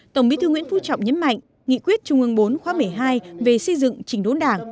tổng bí thư nguyễn phú trọng nhấn mạnh nghị quyết trung ương bốn khóa một mươi hai về xây dựng trình đốn đảng